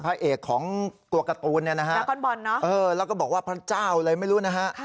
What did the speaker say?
พระเอกของตัวการ์ตูนเนี่ยนะฮะแล้วก็บอกว่าพระเจ้าเลยไม่รู้นะฮะ